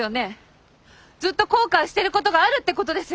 ずっと後悔してることがあるってことですよね？